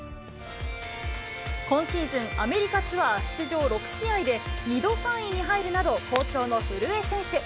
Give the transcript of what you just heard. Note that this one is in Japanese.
今シーズンアメリカツアー出場６試合で、２度３位に入るなど、好調の古江選手。